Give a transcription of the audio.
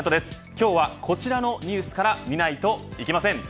今日はこちらのニュースから見ないといけません。